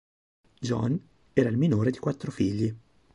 John era il minore di quattro figli.